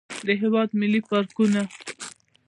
د هېواد ملي پارکونه.